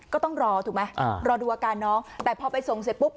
ก็ต้องรอถูกไหมรอดูอาการน้องแต่พอไปส่งเสร็จปุ๊บ